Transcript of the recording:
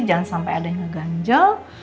jangan sampai ada yang ngeganjel